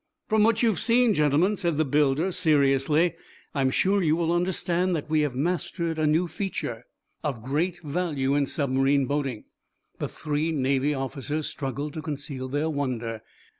"From what you have seen, gentlemen," said the builder, seriously, "I am sure you will understand that we have mastered a new feature, of great value in submarine boating." The three Navy officers struggled to conceal their wonder.